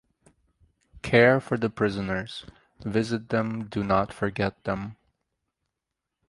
Care for the Prisoners. Visit them. Do not forget them.